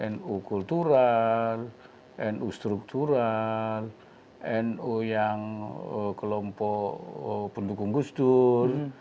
nu kultural nu struktural nu yang kelompok pendukung gusdur